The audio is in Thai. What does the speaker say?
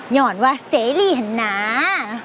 ยอดว่าเสรี่หน้า